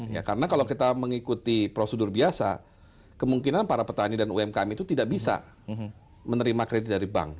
ya karena kalau kita mengikuti prosedur biasa kemungkinan para petani dan umkm itu tidak bisa menerima kredit dari bank